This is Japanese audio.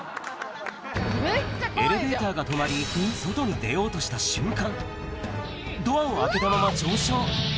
エレベーターが止まり、外に出ようとした瞬間、ドアを開けたまま上昇。